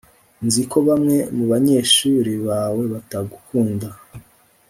Nzi ko bamwe mubanyeshuri bawe batagukunda